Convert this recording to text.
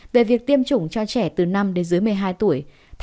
về việc tiêm chủng cho trẻ từ năm đến dưới một mươi hai tuổi